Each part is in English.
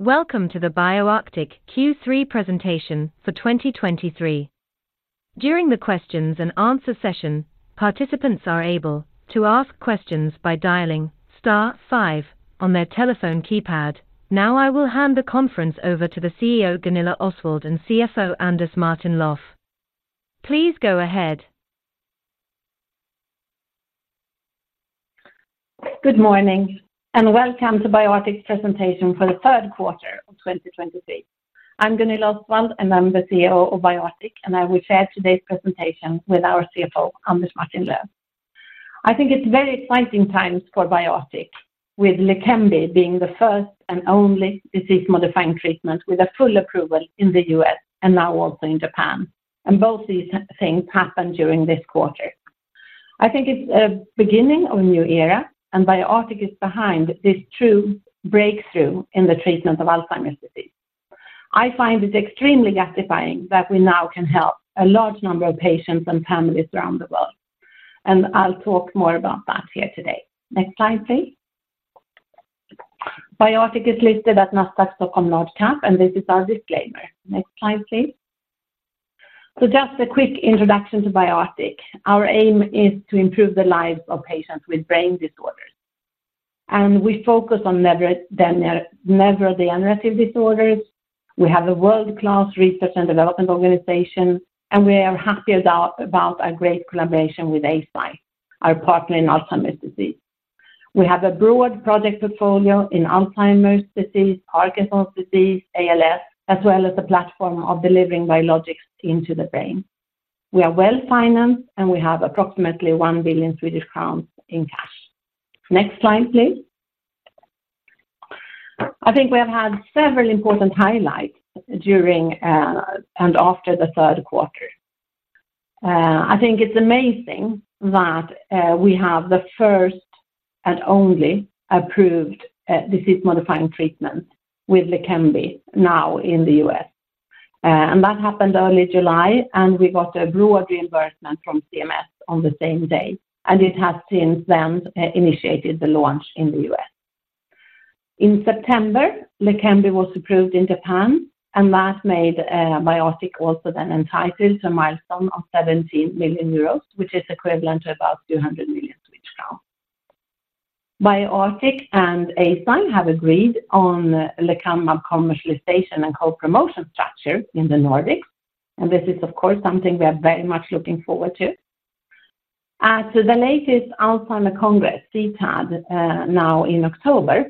Welcome to the BioArctic Q3 presentation for 2023. During the questions and answer session, participants are able to ask questions by dialing star five on their telephone keypad. Now, I will hand the conference over to the CEO, Gunilla Osswald, and CFO, Anders Martin-Löf. Please go ahead. Good morning, and welcome to BioArctic presentation for the third quarter of 2023. I'm Gunilla Osswald, and I'm the CEO of BioArctic, and I will share today's presentation with our CFO, Anders Martin-Löf. I think it's very exciting times for BioArctic, with Leqembi being the first and only disease-modifying treatment with a full approval in the U.S. and now also in Japan, and both these things happened during this quarter. I think it's a beginning of a new era, and BioArctic is behind this true breakthrough in the treatment of Alzheimer's disease. I find this extremely gratifying that we now can help a large number of patients and families around the world, and I'll talk more about that here today. Next slide, please. BioArctic is listed at Nasdaq Stockholm Large Cap, and this is our disclaimer. Next slide, please. So just a quick introduction to BioArctic. Our aim is to improve the lives of patients with brain disorders, and we focus on neurodegenerative disorders. We have a world-class research and development organization, and we are happy about a great collaboration with Eisai, our partner in Alzheimer's disease. We have a broad project portfolio in Alzheimer's disease, Parkinson's disease, ALS, as well as a platform of delivering biologics into the brain. We are well-financed, and we have approximately 1 billion Swedish crowns in cash. Next slide, please. I think we have had several important highlights during and after the third quarter. I think it's amazing that we have the first and only approved disease-modifying treatment with Leqembi now in the U.S. And that happened early July, and we got a broad reimbursement from CMS on the same day, and it has since then initiated the launch in the US. In September, Leqembi was approved in Japan, and that made BioArctic also then entitled to a milestone of 17 million euros, which is equivalent to about 200 million crowns. BioArctic and Eisai have agreed on lecanemab commercialization and co-promotion structure in the Nordics, and this is, of course, something we are very much looking forward to. So the latest Alzheimer's Congress, CTAD, now in October,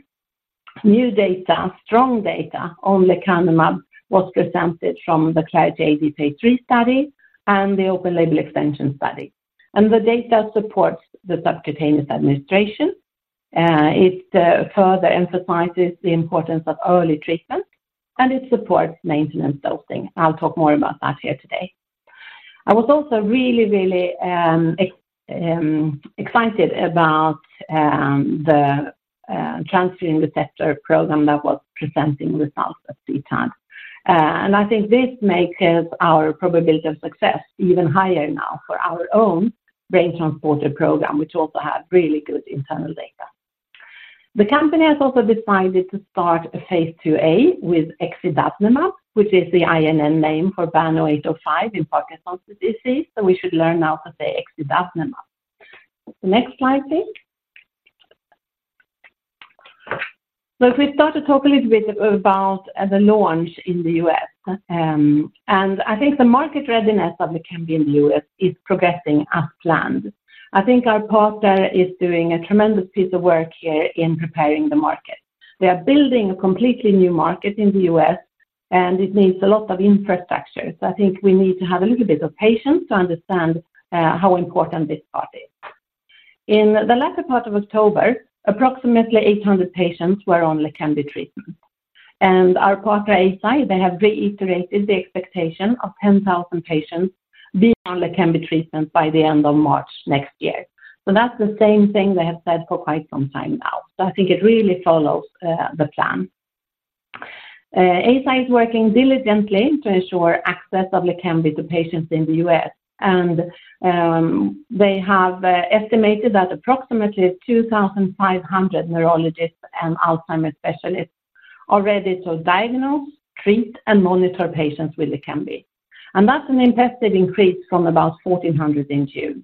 new data, strong data on lecanemab was presented from the Clarity AD phase 3 study and the open-label extension study. And the data supports the subcutaneous administration, it further emphasizes the importance of early treatment, and it supports maintenance dosing. I'll talk more about that here today. I was also really, really excited about the transferrin receptor program that was presenting results at CTAD. I think this makes our probability of success even higher now for our own Brain Transporter program, which also have really good internal data. The company has also decided to start a phase 2a with exidavnemab, which is the INN name for BAN0805 in Parkinson's disease, so we should learn now to say exidavnemab. Next slide, please. So if we start to talk a little bit about the launch in the U.S., I think the market readiness of Leqembi in the U.S. is progressing as planned. I think our partner is doing a tremendous piece of work here in preparing the market. We are building a completely new market in the U.S., and it needs a lot of infrastructure. So I think we need to have a little bit of patience to understand how important this part is. In the latter part of October, approximately 800 patients were on Leqembi treatment. And our partner, Eisai, they have reiterated the expectation of 10,000 patients being on Leqembi treatment by the end of March next year. So that's the same thing they have said for quite some time now. So I think it really follows the plan. Eisai is working diligently to ensure access of Leqembi to patients in the U.S., and they have estimated that approximately 2,500 neurologists and Alzheimer's specialists are ready to diagnose, treat, and monitor patients with Leqembi. And that's an impressive increase from about 1,400 in June.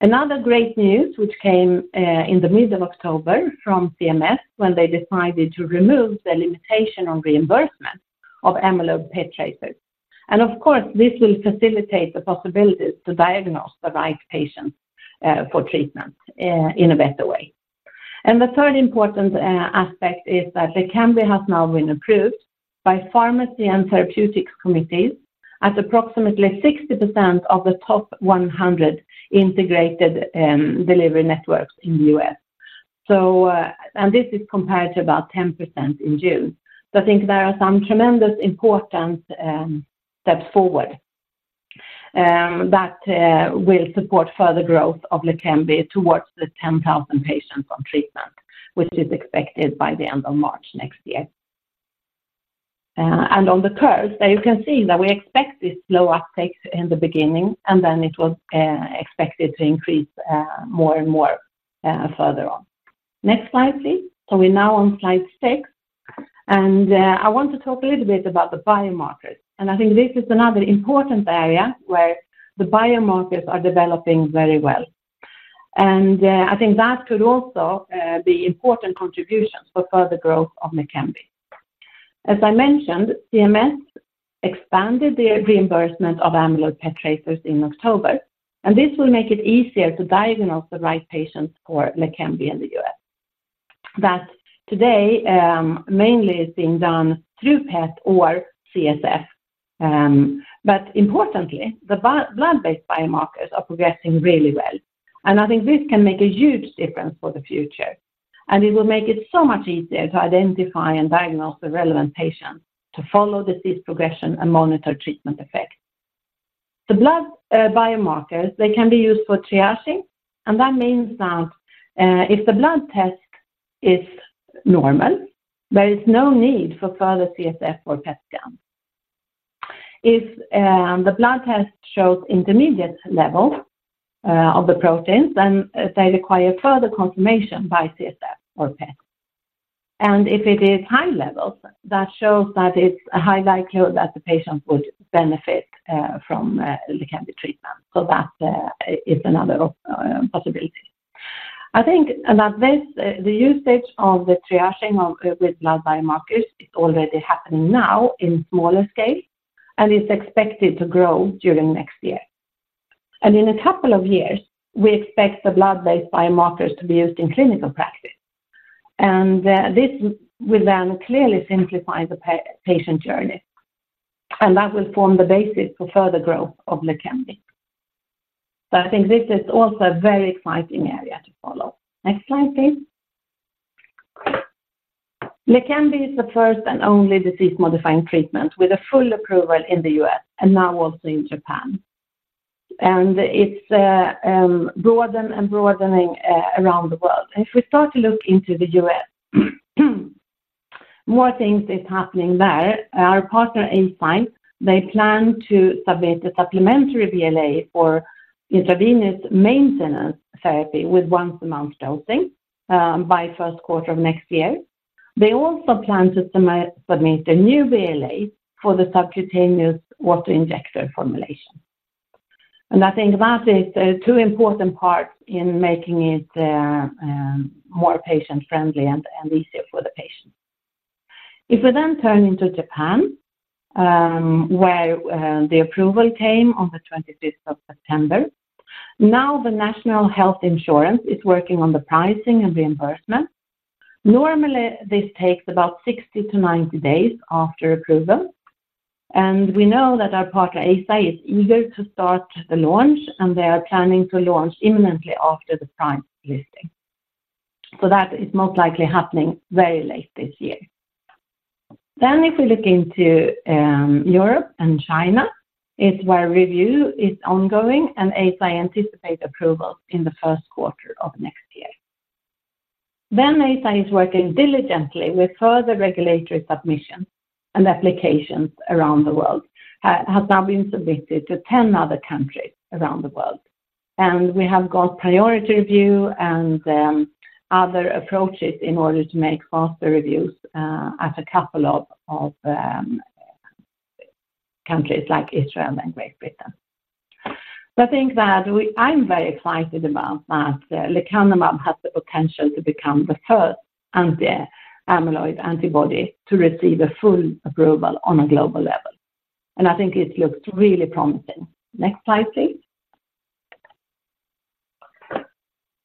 Another great news which came in mid-October from CMS, when they decided to remove the limitation on reimbursement of amyloid PET tracers. And of course, this will facilitate the possibilities to diagnose the right patients for treatment in a better way. And the third important aspect is that Leqembi has now been approved by Pharmacy and Therapeutics Committees at approximately 60% of the top 100 integrated delivery networks in the U.S. So, and this is compared to about 10% in June. So I think there are some tremendous important steps forward that will support further growth of Leqembi towards the 10,000 patients on treatment, which is expected by the end of March next year. And on the curve, there you can see that we expect this slow uptake in the beginning, and then it was expected to increase more and more further on. Next slide, please. So we're now on slide six, and I want to talk a little bit about the biomarkers, and I think this is another important area where the biomarkers are developing very well. And I think that could also be important contributions for further growth of Leqembi. As I mentioned, CMS expanded the reimbursement of amyloid PET tracers in October, and this will make it easier to diagnose the right patients for Leqembi in the U.S. That today, mainly is being done through PET or CSF, but importantly, the blood-based biomarkers are progressing really well, and I think this can make a huge difference for the future, and it will make it so much easier to identify and diagnose the relevant patients, to follow the disease progression and monitor treatment effect. The blood biomarkers, they can be used for triaging, and that means that if the blood test is normal, there is no need for further CSF or PET scan. If the blood test shows intermediate level of the proteins, then they require further confirmation by CSF or PET. And if it is high levels, that shows that it's a high likelihood that the patient would benefit from Leqembi treatment, so that is another possibility. I think that this, the usage of the triaging of with blood biomarkers is already happening now in smaller scale and is expected to grow during next year. In a couple of years, we expect the blood-based biomarkers to be used in clinical practice, and this will then clearly simplify the patient journey, and that will form the basis for further growth of Leqembi. I think this is also a very exciting area to follow. Next slide, please. Leqembi is the first and only disease-modifying treatment with a full approval in the U.S. and now also in Japan. And it's broadening around the world. If we start to look into the U.S., more things is happening there. Our partner, Eisai, they plan to submit a supplementary BLA for intravenous maintenance therapy with once-monthly dosing by first quarter of next year. They also plan to submit a new BLA for the subcutaneous auto-injector formulation. I think that is two important parts in making it more patient-friendly and easier for the patient. If we then turn to Japan, where the approval came on the 25th of September, now the National Health Insurance is working on the pricing and reimbursement. Normally, this takes about 60-90 days after approval, and we know that our partner, Eisai, is eager to start the launch, and they are planning to launch imminently after the price listing. That is most likely happening very late this year. Then if we look into Europe and China, it's where review is ongoing and Eisai anticipate approval in the first quarter of next year. Eisai is working diligently with further regulatory submissions and applications around the world, has now been submitted to 10 other countries around the world. And we have got priority review and other approaches in order to make faster reviews at a couple of countries like Israel and Great Britain. I think that I'm very excited about that lecanemab has the potential to become the first anti-amyloid antibody to receive a full approval on a global level, and I think it looks really promising. Next slide, please.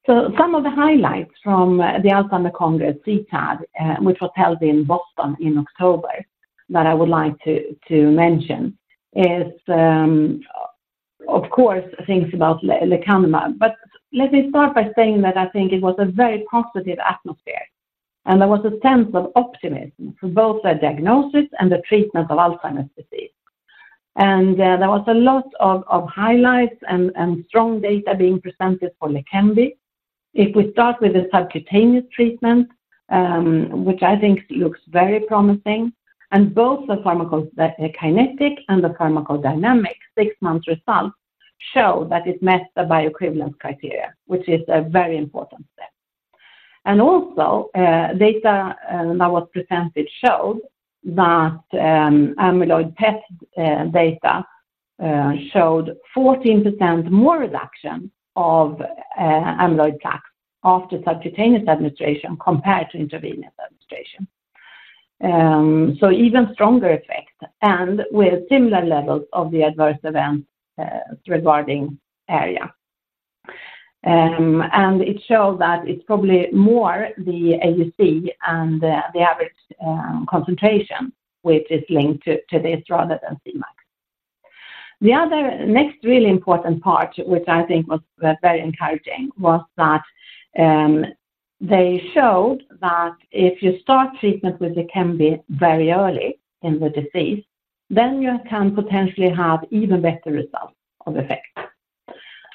So some of the highlights from the Alzheimer's Congress, CTAD, which was held in Boston in October, that I would like to mention is, of course, things about Leqembi. But let me start by saying that I think it was a very positive atmosphere, and there was a sense of optimism for both the diagnosis and the treatment of Alzheimer's disease. And there was a lot of highlights and strong data being presented for Leqembi. If we start with the subcutaneous treatment, which I think looks very promising, and both the pharmacokinetic and the pharmacodynamic 6 months results show that it met the bioequivalent criteria, which is a very important step. And also, data that was presented showed that, amyloid PET data showed 14% more reduction of amyloid plaques after subcutaneous administration compared to intravenous administration. So even stronger effect and with similar levels of the adverse events, regarding ARIA. And it showed that it's probably more the AUC and the, the average, concentration, which is linked to, to this rather than Cmax. The other next really important part, which I think was, very encouraging, was that, they showed that if you start treatment with Leqembi very early in the disease, then you can potentially have even better results of effect.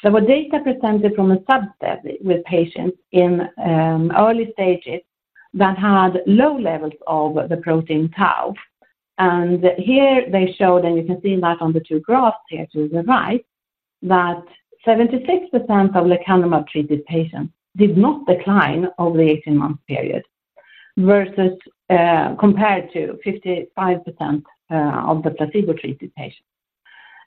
There were data presented from a subset with patients in, early stages that had low levels of the protein tau. And here they showed, and you can see that on the two graphs here to the right, that 76% of lecanemab treated patients did not decline over the 18-month period, versus, compared to 55% of the placebo-treated patients.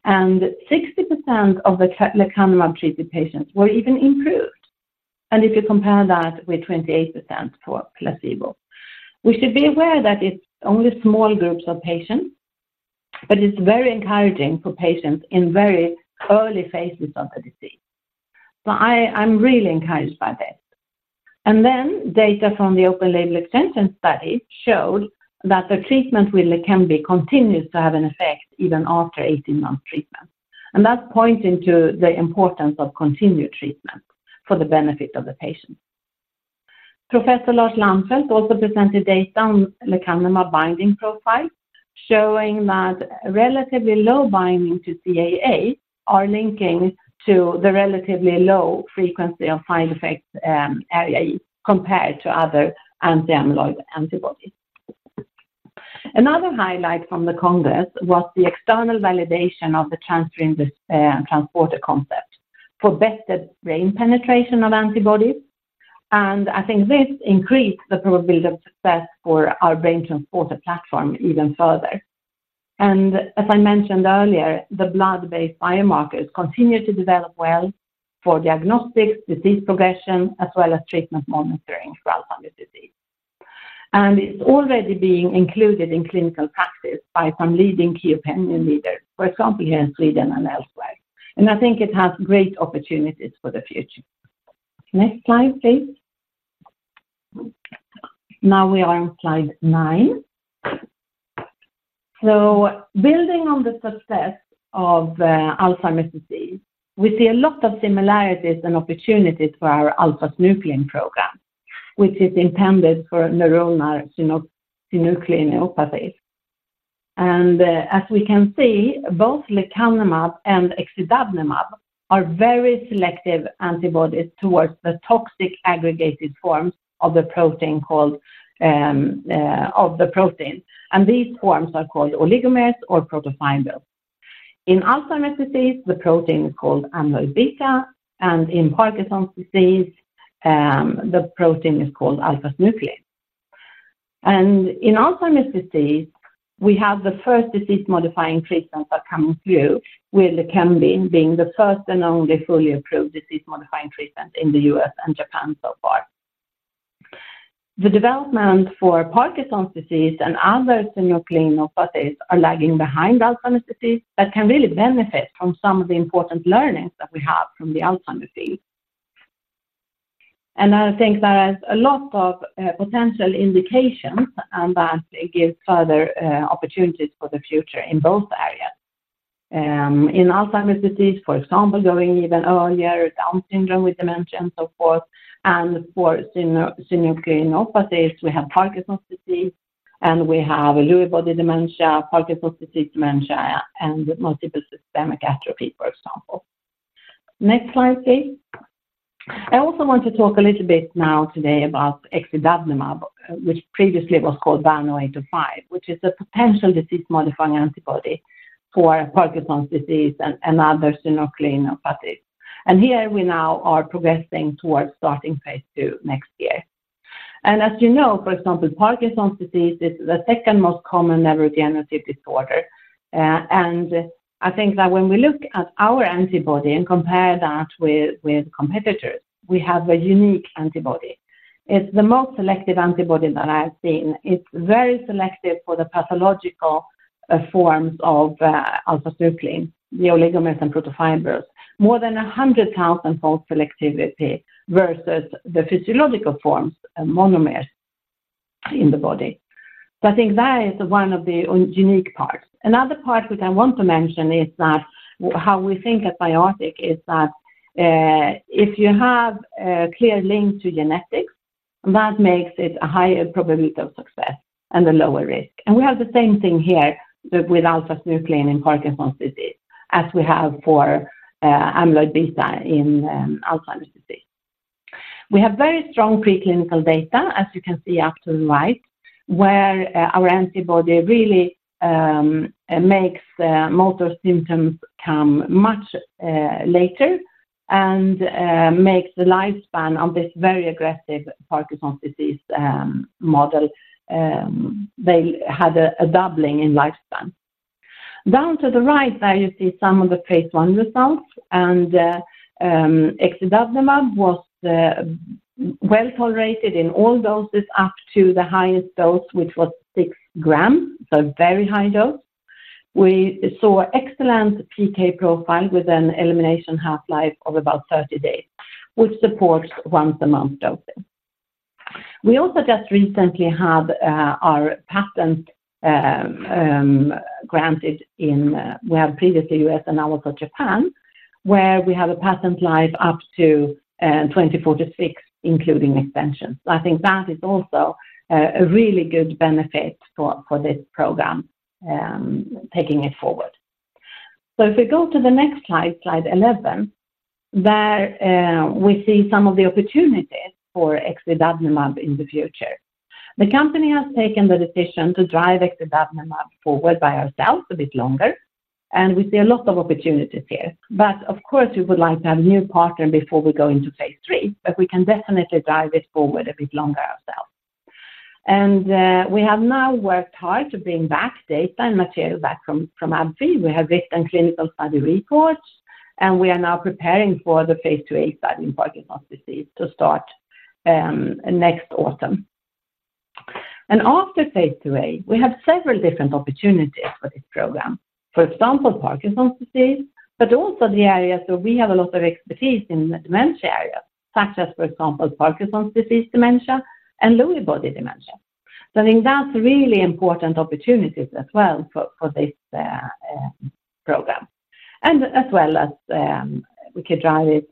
And 60% of the lecanemab-treated patients were even improved, and if you compare that with 28% for placebo. We should be aware that it's only small groups of patients, but it's very encouraging for patients in very early phases of the disease. So I, I'm really encouraged by this. And then data from the open-label extension study showed that the treatment with lecanemab continues to have an effect even after 18 months treatment. And that's pointing to the importance of continued treatment for the benefit of the patient. Professor Lars Lannfelt also presented data at the lecanemab binding profile, showing that relatively low binding to CAA are linking to the relatively low frequency of side effects, AE, compared to other anti-amyloid antibodies. Another highlight from the congress was the external validation of the transferrin transporter concept for better brain penetration of antibodies, and I think this increased the probability of success for our Brain Transporter platform even further. As I mentioned earlier, the blood-based biomarkers continue to develop well for diagnostics, disease progression, as well as treatment monitoring for Alzheimer's disease. It's already being included in clinical practice by some leading key opinion leaders, for example, here in Sweden and elsewhere. I think it has great opportunities for the future. Next slide, please. Now we are on slide nine. So building on the success of Alzheimer's disease, we see a lot of similarities and opportunities for our alpha-synuclein program, which is intended for neuronal synucleinopathies. And as we can see, both lecanemab and exidavnemab are very selective antibodies towards the toxic aggregated forms of a protein called of the protein, and these forms are called oligomers or protofibrils. In Alzheimer's disease, the protein is called amyloid beta, and in Parkinson's disease, the protein is called alpha-synuclein. In Alzheimer's disease, we have the first disease-modifying treatment that come through, with lecanemab being the first and only fully approved disease-modifying treatment in the U.S. and Japan so far. The development for Parkinson's disease and other synucleinopathies are lagging behind Alzheimer's disease, but can really benefit from some of the important learnings that we have from the Alzheimer's field. I think there is a lot of potential indications, and that it gives further opportunities for the future in both areas. In Alzheimer's disease, for example, going even earlier, Down syndrome with dementia and so forth, and for synucleinopathies, we have Parkinson's disease, and we have Lewy body dementia, Parkinson's disease dementia, and multiple system atrophy, for example. Next slide, please. I also want to talk a little bit now today about exidavnemab, which previously was called BAN0805, which is a potential disease-modifying antibody for Parkinson's disease and other synucleinopathies. Here we now are progressing towards starting phase two next year. As you know, for example, Parkinson's disease is the second most common neurodegenerative disorder, and I think that when we look at our antibody and compare that with competitors, we have a unique antibody. It's the most selective antibody that I have seen. It's very selective for the pathological forms of alpha-synuclein, the oligomers and protofibrils. More than 100,000-fold selectivity versus the physiological forms, monomers in the body. So I think that is one of the unique parts. Another part which I want to mention is that how we think at BioArctic is that, if you have a clear link to genetics, that makes it a higher probability of success and a lower risk. We have the same thing here with alpha-synuclein in Parkinson's disease, as we have for amyloid beta in Alzheimer's disease. We have very strong preclinical data, as you can see up to the right, where our antibody really makes the motor symptoms come much later and makes the lifespan of this very aggressive Parkinson's disease model; they had a doubling in lifespan. Down to the right there, you see some of the phase one results, and exidavnemab was well tolerated in all doses up to the highest dose, which was 6 grams, so very high dose. We saw excellent PK profile with an elimination half-life of about 30 days, which supports once a month dosing. We also just recently had our patent granted in, we have previously U.S. and now also Japan, where we have a patent life up to 2046, including extension. So I think that is also a really good benefit for, for this program taking it forward. So if we go to the next slide, slide 11, there, we see some of the opportunities for exidavnemab in the future. The company has taken the decision to drive exidavnemab forward by ourselves a bit longer, and we see a lot of opportunities here. But of course, we would like to have a new partner before we go into phase 3, but we can definitely drive it forward a bit longer ourselves. We have now worked hard to bring back data and material back from AbbVie. We have this and clinical study reports, and we are now preparing for the phase 2a study in Parkinson's disease to start next autumn. After phase 2a, we have several different opportunities for this program. For example, Parkinson's disease, but also the areas where we have a lot of expertise in the dementia area, such as, for example, Parkinson's disease dementia, and Lewy body dementia. So I think that's really important opportunities as well for this program. As well as, we could drive it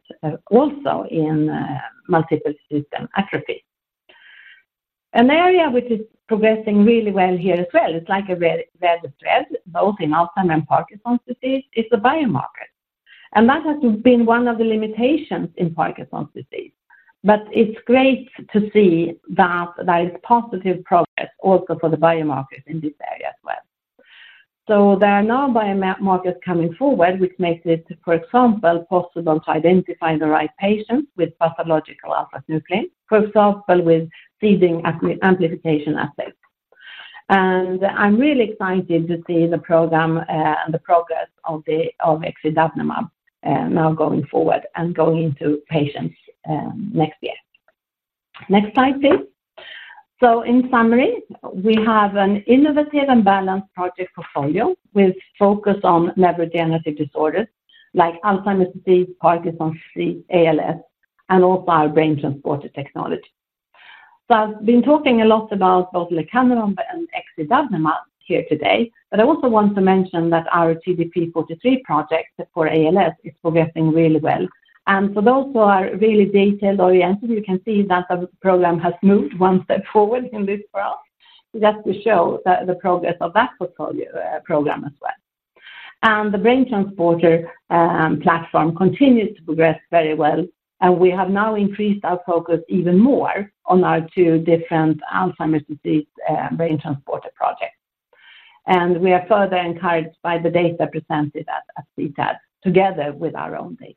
also in multiple system atrophy. An area which is progressing really well here as well, it's like a red thread, both in Alzheimer's and Parkinson's disease, is the biomarker. And that has been one of the limitations in Parkinson's disease. But it's great to see that there is positive progress also for the biomarkers in this area as well. So there are now biomarkers coming forward, which makes it, for example, possible to identify the right patients with pathological alpha-synuclein, for example, with seeding amplification assays. And I'm really excited to see the program, and the progress of the, of exidavnemab, now going forward and going into patients, next year. Next slide, please. So in summary, we have an innovative and balanced project portfolio with focus on neurodegenerative disorders like Alzheimer's disease, Parkinson's disease, ALS, and also our Brain Transporter technology. So I've been talking a lot about both lecanemab and exidavnemab here today, but I also want to mention that our TDP-43 project for ALS is progressing really well. So those who are really data-oriented, you can see that the program has moved one step forward in this graph, just to show the progress of that portfolio program as well. The Brain Transporter platform continues to progress very well, and we have now increased our focus even more on our two different Alzheimer's disease Brain Transporter projects. We are further encouraged by the data presented at CTAD, together with our own data.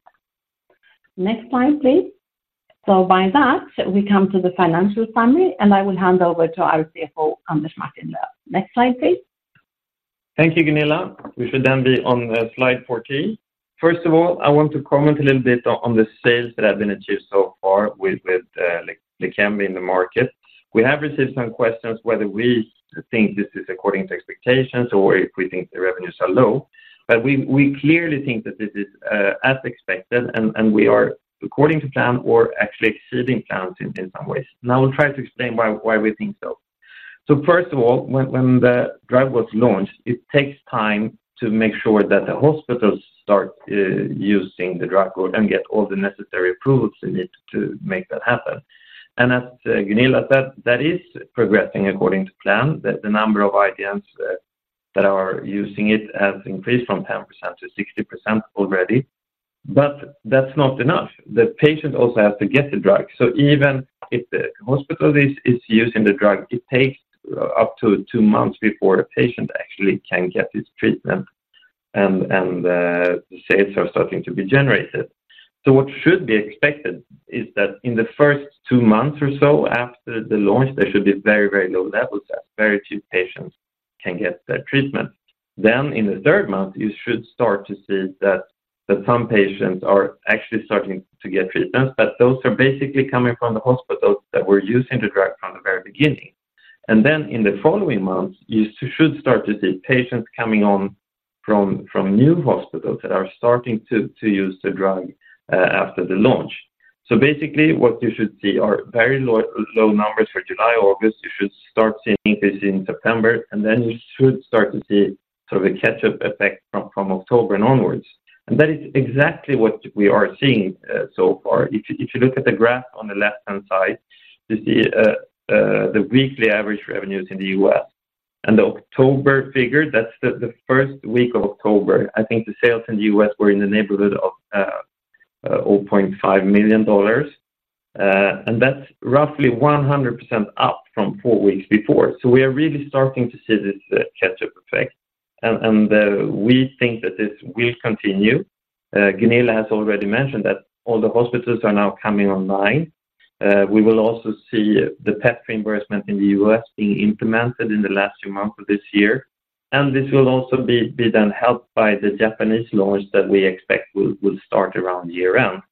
Next slide, please. So by that, we come to the financial summary, and I will hand over to our CFO, Anders Martin-Löf. Next slide, please. Thank you, Gunilla. We should then be on slide 14. First of all, I want to comment a little bit on, on the sales that have been achieved so far with, with, Leqembi in the market. We have received some questions whether we think this is according to expectations or if we think the revenues are low. But we, we clearly think that this is, as expected, and, and we are according to plan or actually exceeding plans in, in some ways. Now, I'll try to explain why, why we think so. So first of all, when, when the drug was launched, it takes time to make sure that the hospitals start, using the drug or, and get all the necessary approvals they need to make that happen. As Gunilla said, that is progressing according to plan. The number of IDNs that are using it has increased from 10% to 60% already, but that's not enough. The patient also has to get the drug. So even if the hospital is using the drug, it takes up to two months before a patient actually can get this treatment and the sales are starting to be generated. So what should be expected is that in the first two months or so after the launch, there should be very, very low levels as very few patients can get their treatment. Then in the third month, you should start to see that some patients are actually starting to get treatment, but those are basically coming from the hospitals that were using the drug from the very beginning. Then in the following months, you should start to see patients coming on from new hospitals that are starting to use the drug after the launch. So basically, what you should see are very low, low numbers for July, August. You should start seeing this in September, and then you should start to see sort of a catch-up effect from October onwards. And that is exactly what we are seeing so far. If you look at the graph on the left-hand side, you see the weekly average revenues in the U.S. And the October figure, that's the first week of October. I think the sales in the U.S. were in the neighborhood of $0.5 million. And that's roughly 100% up from four weeks before. So we are really starting to see this catch-up effect, and we think that this will continue. Gunilla has already mentioned that all the hospitals are now coming online. We will also see the PET reimbursement in the U.S. being implemented in the last few months of this year, and this will also be then helped by the Japanese launch that we expect will start around year-round.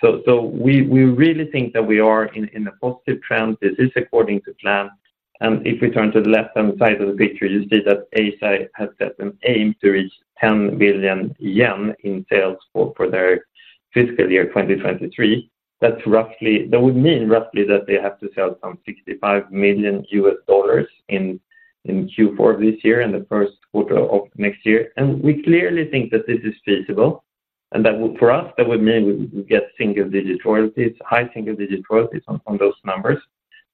So we really think that we are in a positive trend. This is according to plan. And if we turn to the left-hand side of the picture, you see that Eisai has set an aim to reach 10 billion yen in sales for their fiscal year 2023. That's roughly—that would mean roughly that they have to sell some $65 million in Q4 of this year and the first quarter of next year. We clearly think that this is feasible.... And that would, for us, that would mean we get single-digit royalties, high single-digit royalties on, on those numbers.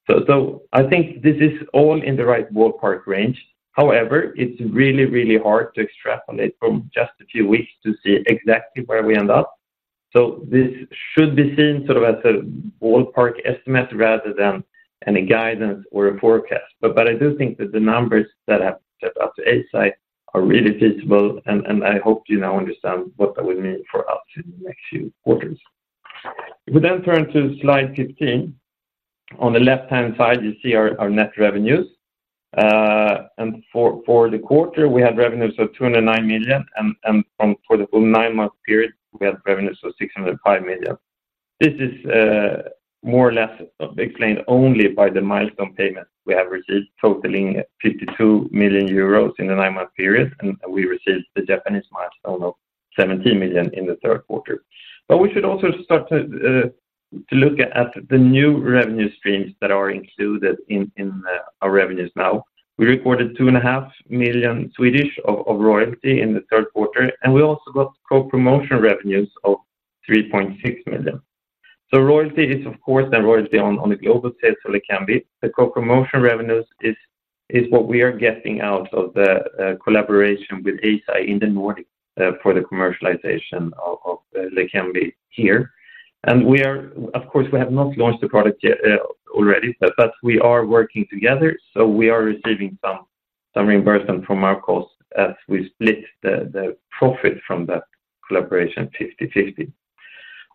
So, so I think this is all in the right ballpark range. However, it's really, really hard to extrapolate from just a few weeks to see exactly where we end up. So this should be seen sort of as a ballpark estimate rather than any guidance or a forecast. But, but I do think that the numbers that have set up to Eisai are really feasible, and, and I hope you now understand what that would mean for us in the next few quarters. If we then turn to slide 15, on the left-hand side, you see our net revenues. And for the quarter, we had revenues of 209 million, and for the full nine-month period, we had revenues of 605 million. This is more or less explained only by the milestone payment we have received, totaling 52 million euros in the nine-month period, and we received the Japanese milestone of 17 million in the third quarter. But we should also start to look at the new revenue streams that are included in our revenues now. We recorded 2.5 million of royalty in the third quarter, and we also got co-promotion revenues of 3.6 million. So royalty is, of course, the royalty on the global sales of Leqembi. The co-promotion revenues is what we are getting out of the collaboration with Eisai in the Nordics for the commercialization of Leqembi here. And we are, of course, we have not launched the product yet, already, but we are working together, so we are receiving some reimbursement from our cost as we split the profit from the collaboration 50/50.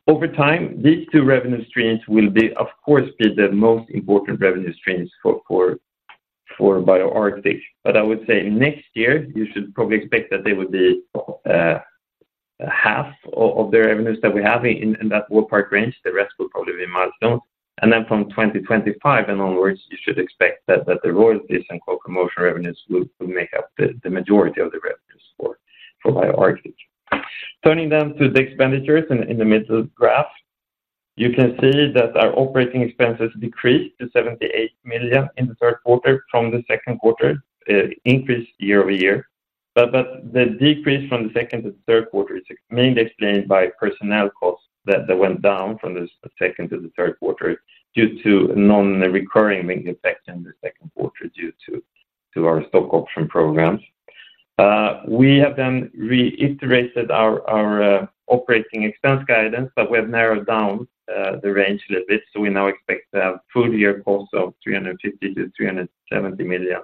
Over time, these two revenue streams will be, of course, the most important revenue streams for BioArctic. But I would say next year, you should probably expect that they would be half of the revenues that we have in that ballpark range, the rest will probably be milestone. And then from 2025 and onwards, you should expect that the royalties and co-promotion revenues will make up the majority of the revenues for BioArctic. Turning then to the expenditures in the middle graph, you can see that our operating expenses decreased to 78 million in the third quarter from the second quarter, increase year over year. But the decrease from the second to the third quarter is mainly explained by personnel costs that went down from the second to the third quarter due to non-recurring effects in the second quarter due to our stopped option programs. We have then reiterated our, our, operating expense guidance, but we have narrowed down, the range a little bit, so we now expect to have full year costs of 350 million-370 million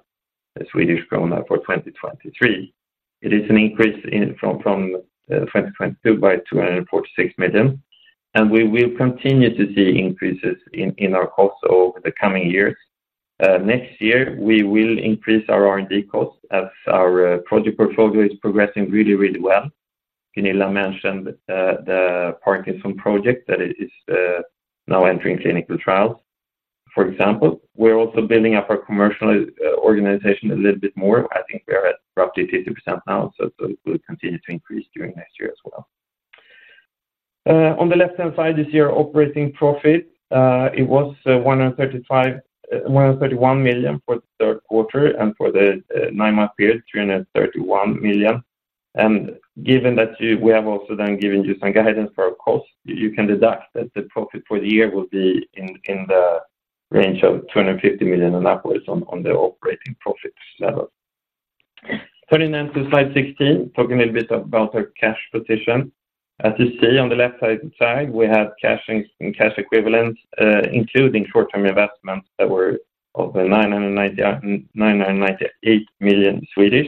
Swedish krona for 2023. It is an increase from 2022 by 246 million, and we will continue to see increases in our costs over the coming years. Next year, we will increase our R&D costs as our project portfolio is progressing really, really well. Gunilla mentioned, the Parkinson project that is, now entering clinical trials, for example. We're also building up our commercial, organization a little bit more. I think we're at roughly 50% now, so it will continue to increase during next year as well. On the left-hand side is your operating profit. It was one hundred and thirty-one million for the third quarter, and for the nine-month period, three hundred and thirty-one million. Given that we have also then given you some guidance for our cost, you can deduct that the profit for the year will be in the range of two hundred and fifty million and upwards on the operating profits level. Turning then to slide 16, talking a little bit about our cash position. As you see on the left side, we have cash and cash equivalents, including short-term investments that were of nine hundred and ninety-eight million Swedish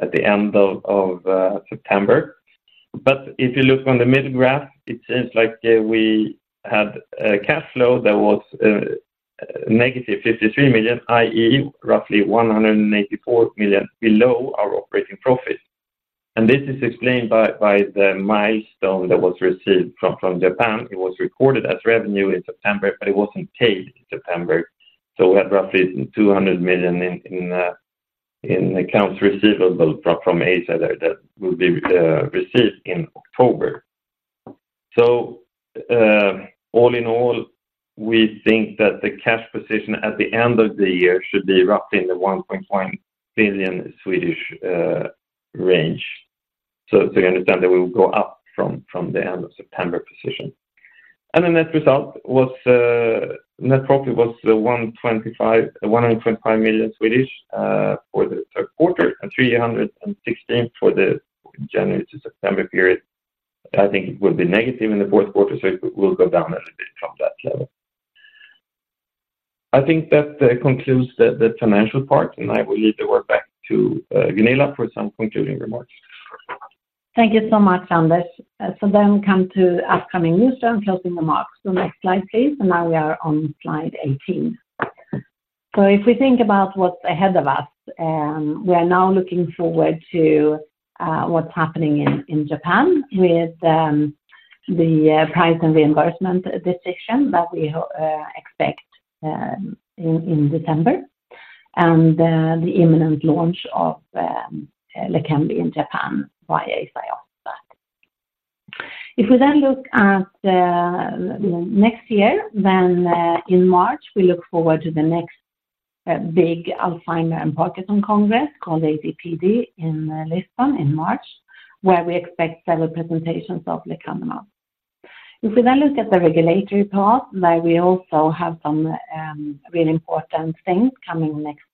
at the end of September. But if you look on the middle graph, it seems like we had a cash flow that was negative 53 million, i.e., roughly 184 million below our operating profit. And this is explained by the milestone that was received from Japan. It was recorded as revenue in September, but it wasn't paid in September. So we had roughly 200 million in accounts receivable from Eisai that will be received in October. So, all in all, we think that the cash position at the end of the year should be roughly in the 1.1 billion range. So to understand, that will go up from the end of September position. The net result was, net profit was 125 million for the third quarter, and 316 million for the January to September period. I think it will be negative in the fourth quarter, so it will go down a little bit from that level. I think that concludes the financial part, and I will leave the word back to Gunilla for some concluding remarks. Thank you so much, Anders. So then we come to upcoming news and closing remarks. So next slide, please. Now we are on slide 18. So if we think about what's ahead of us, we are now looking forward to what's happening in Japan with the price and reimbursement decision that we expect in December, and the imminent launch of Leqembi in Japan via Eisai. If we then look at next year, then in March, we look forward to the next big Alzheimer and Parkinson Congress called AD/PD in Lisbon in March, where we expect several presentations of lecanemab. If we then look at the regulatory path, there we also have some really important things coming next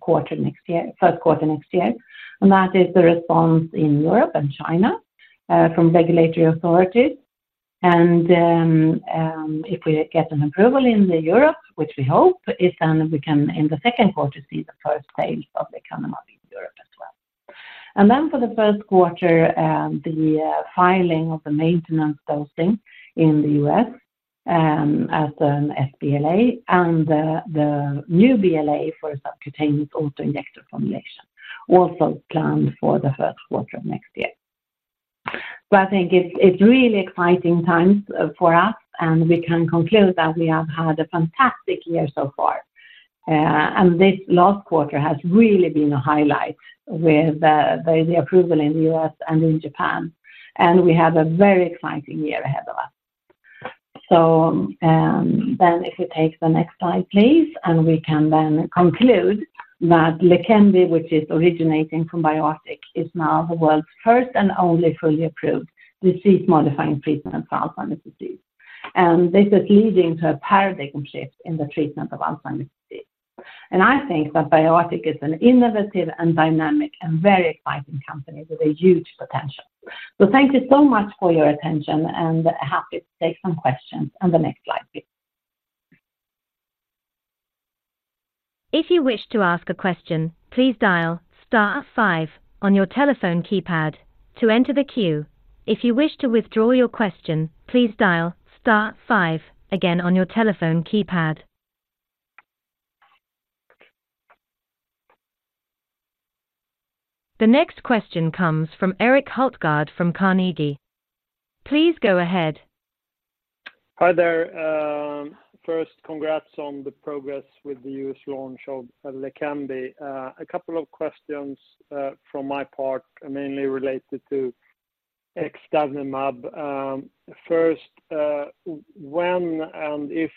quarter next year, first quarter next year, and that is the response in Europe and China from regulatory authorities. And then, if we get an approval in the Europe, which we hope, is then we can, in the second quarter, see the first sales of lecanemab in Europe as well. And then for the first quarter, the filing of the maintenance dosing in the U.S., as an sBLA, and the new BLA for subcutaneous auto-injector formulation, also planned for the first quarter of next year. So I think it's really exciting times for us, and we can conclude that we have had a fantastic year so far. This last quarter has really been a highlight with the approval in the U.S. and in Japan, and we have a very exciting year ahead of us. Then if we take the next slide, please, and we can then conclude that Leqembi, which is originating from BioArctic, is now the world's first and only fully approved disease-modifying treatment for Alzheimer's disease. This is leading to a paradigm shift in the treatment of Alzheimer's disease. I think that BioArctic is an innovative and dynamic and very exciting company with a huge potential. Thank you so much for your attention, and happy to take some questions. The next slide, please. If you wish to ask a question, please dial star five on your telephone keypad to enter the queue. If you wish to withdraw your question, please dial star five again on your telephone keypad. The next question comes from Erik Hultgård from Carnegie. Please go ahead. Hi there. First, congrats on the progress with the U.S. launch of Leqembi. A couple of questions from my part, mainly related to exidavnemab. First, when and if,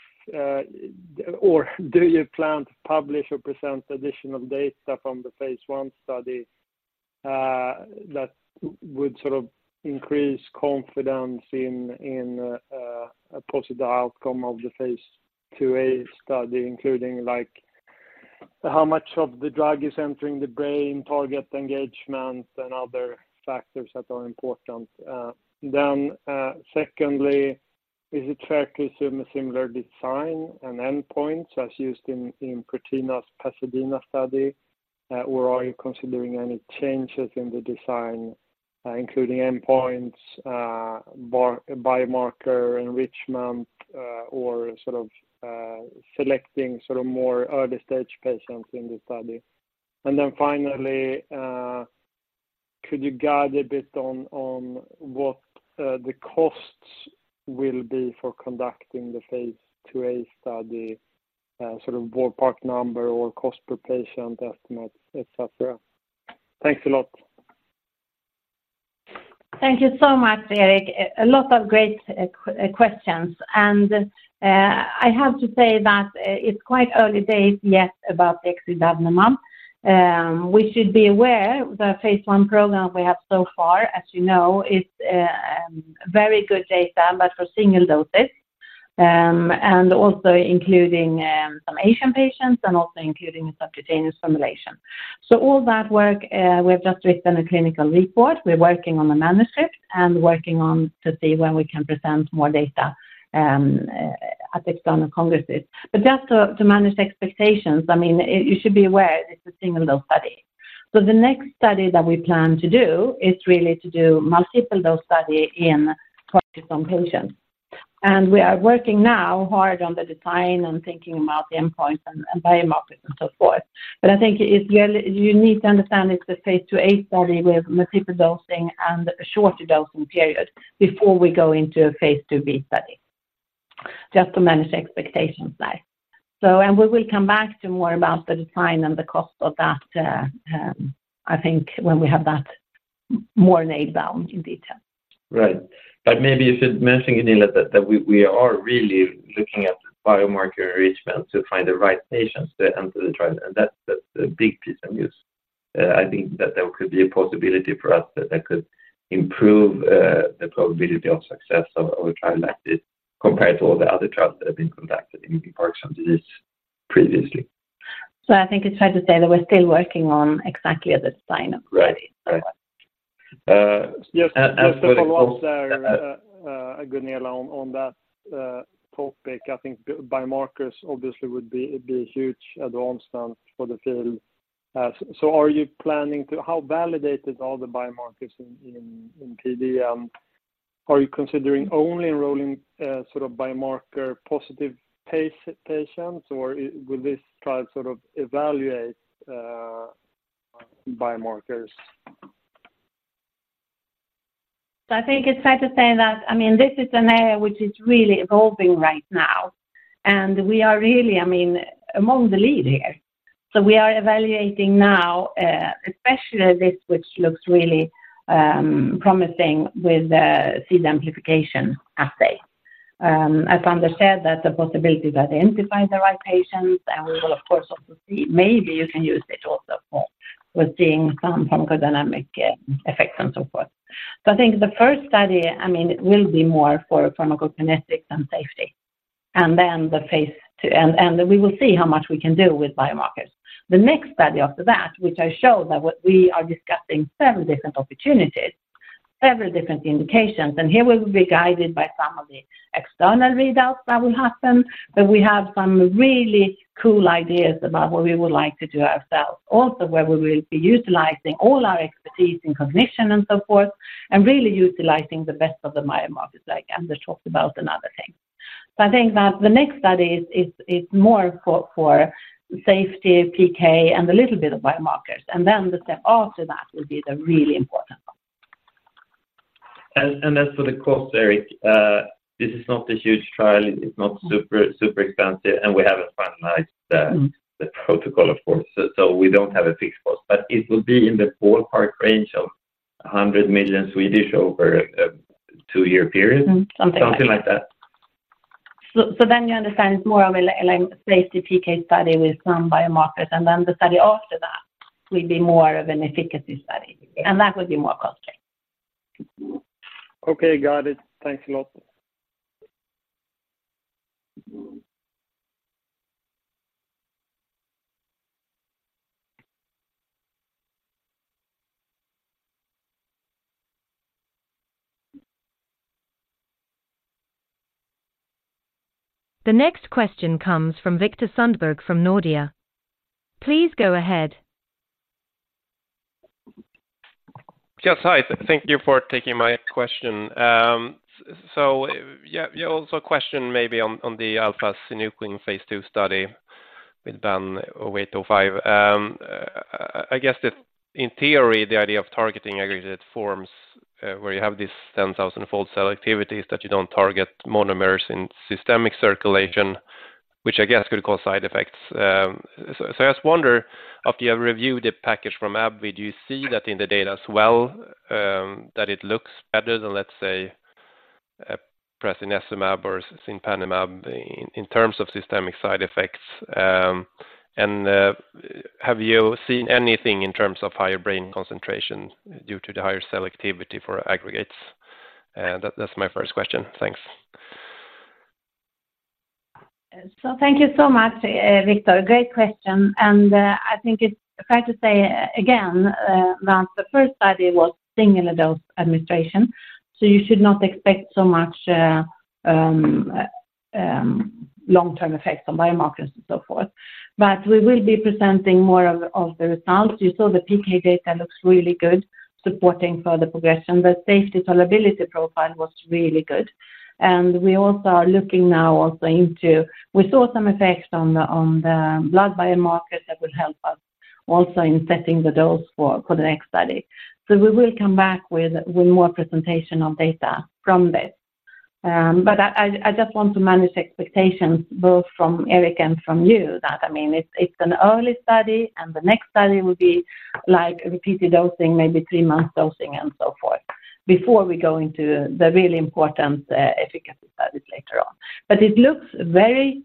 or do you plan to publish or present additional data from the phase 1 study that would sort of increase confidence in a positive outcome of the phase 2a study, including, like, how much of the drug is entering the brain, target engagement, and other factors that are important? Then, secondly, is it fair to assume a similar design and endpoint as used in Prothena's PASADENA study, or are you considering any changes in the design, including endpoints, biomarker enrichment, or sort of selecting sort of more early-stage patients in the study? Then finally, could you guide a bit on what the costs will be for conducting the phase 2a study, sort of ballpark number or cost per patient estimate, et cetera? Thanks a lot. Thank you so much, Erik. A lot of great questions. And I have to say that it's quite early days, yes, about the exidavnemab. We should be aware the phase one program we have so far, as you know, is very good data, but for single doses. And also including some Asian patients and also including a subcutaneous formulation. So all that work, we've just written a clinical report. We're working on the manuscript and working on to see when we can present more data at external congresses. But just to manage expectations, I mean, you should be aware it's a single dose study. So the next study that we plan to do is really to do multiple dose study in Parkinson patients. We are working now hard on the design and thinking about the endpoints and biomarkers and so forth. But I think it's really. You need to understand it's a phase 2a study with multiple dosing and a shorter dosing period before we go into a phase 2b study, just to manage expectations there. So we will come back to more about the design and the cost of that, I think when we have that more nailed down in detail. Right. But maybe you should mention, Gunilla, that we are really looking at the biomarker enrichment to find the right patients to enter the trial, and that's a big piece of news. I think that there could be a possibility for us that that could improve the probability of success of a trial like this, compared to all the other trials that have been conducted in Parkinson's disease previously. I think it's fair to say that we're still working on exactly the design of the study. Right. Right. as well- Just to follow up there, Gunilla, on that topic, I think biomarkers obviously would be a huge advancement for the field. So how validated are the biomarkers in PD? Are you considering only enrolling sort of biomarker positive patients, or will this trial sort of evaluate biomarkers? So I think it's fair to say that, I mean, this is an area which is really evolving right now, and we are really, I mean, among the lead here. So we are evaluating now, especially this, which looks really promising with the seeding amplification assay. As Anders said, that the possibility to identify the right patients, and we will, of course, also see maybe you can use it also for with seeing some pharmacodynamic effects and so forth. So I think the first study, I mean, will be more for pharmacokinetics and safety, and then the phase two, and we will see how much we can do with biomarkers. The next study after that, which I showed that what we are discussing several different opportunities, several different indications, and here we will be guided by some of the external readouts that will happen. But we have some really cool ideas about what we would like to do ourselves. Also, where we will be utilizing all our expertise in cognition and so forth, and really utilizing the best of the biomarkers, like Anders talked about another thing. So I think that the next study is more for safety, PK, and a little bit of biomarkers, and then the step after that will be the really important one. And as for the cost, Erik, this is not a huge trial. It's not super, super expensive, and we haven't finalized the- Mm-hmm. The protocol, of course, so we don't have a fixed cost, but it will be in the ballpark range of 100 million over a two-year period. Mm-hmm, something like that. Something like that. So then you understand it's more of a, like, safety PK study with some biomarkers, and then the study after that will be more of an efficacy study, and that would be more costly. Okay, got it. Thanks a lot. The next question comes from Viktor Sundberg from Nordea. Please go ahead. Yes. Hi, thank you for taking my question. So yeah, yeah, also a question maybe on, on the alpha-synuclein phase 2 study with BAN0805. I, I guess that in theory, the idea of targeting aggregate forms, where you have this 10,000-fold cell activities that you don't target monomers in systemic circulation, which I guess could cause side effects. So, so I just wonder, after you have reviewed the package from AbbVie, do you see that in the data as well, that it looks better than, let's say, prasinezumab or cinpanemab in, in terms of systemic side effects, and, have you seen anything in terms of higher brain concentration due to the higher selectivity for aggregates? That's my first question. Thanks. So thank you so much, Victor. Great question, and, I think it's fair to say again, that the first study was single dose administration, so you should not expect so much, long-term effects on biomarkers and so forth. But we will be presenting more of the, of the results. You saw the PK data looks really good, supporting further progression, but safety tolerability profile was really good. And we also are looking now also into... We saw some effects on the, on the blood biomarker that will help us also in setting the dose for, for the next study. So we will come back with, with more presentation on data from this. But I just want to manage expectations, both from Erik and from you, that, I mean, it's an early study, and the next study will be like repeated dosing, maybe three months dosing and so forth, before we go into the really important efficacy studies later on. But it looks very